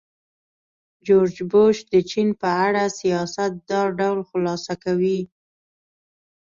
جورج بوش د چین په اړه سیاست دا ډول خلاصه کوي.